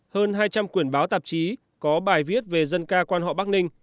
hơn hai trăm linh quyển báo tạp chí có bài viết về dân ca quan họ bắc ninh